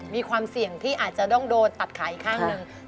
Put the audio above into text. มีความเสี่ยงที่อาจจะต้องโดนตัดขาอีกข้างหนึ่ง